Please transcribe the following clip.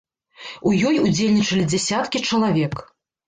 У ёй удзельнічалі дзясяткі чалавек.